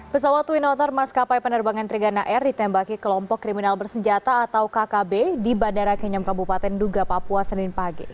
pesawat twin otter maskapai penerbangan trigana air ditembaki kelompok kriminal bersenjata atau kkb di bandara kenyam kabupaten duga papua senin pagi